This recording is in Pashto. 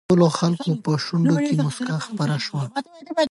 ټولو خلکو په شونډو کې مسکا خپره شوه.